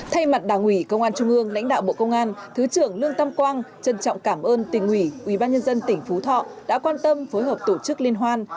thay mặt đảng ủy công an trung ương lãnh đạo bộ công an thứ trưởng lương tam quang trân trọng cảm ơn tỉnh ủy ủy ban nhân dân tỉnh phú thọ đã quan tâm phối hợp tổ chức liên hoan